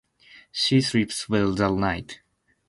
She sleeps well that night.